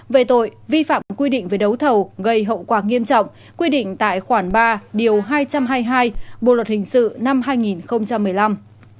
về tội vi phạm quy định về đấu thầu gây hậu quả nghiêm trọng quy định tại khoản ba điều hai trăm hai mươi hai bộ luật hình sự năm hai nghìn một mươi năm